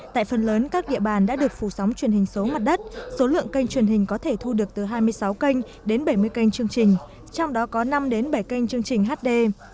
tại phần lớn các địa bàn đã được phủ sóng truyền hình số mặt đất số lượng kênh truyền hình có thể thu được từ hai mươi sáu kênh đến bảy mươi kênh chương trình trong đó có năm đến bảy kênh chương trình hd